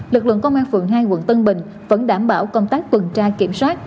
lực lượng công an phường hai quận tân bình vẫn đảm bảo công tác tuần tra kiểm soát